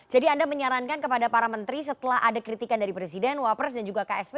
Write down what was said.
jadi anda menyarankan kepada para menteri setelah ada kritikan dari presiden wapres dan juga ksp